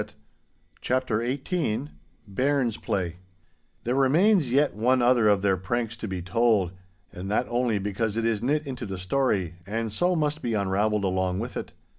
*CHAPTER XVIII* *BAIRNS' PLAY* There remains yet one other of their pranks to be told, and that only because it is knit into the story, and so must be unravelled along with it.